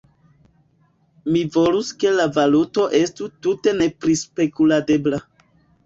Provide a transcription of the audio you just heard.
Mi volus ke la valuto estu tute neprispekuladebla.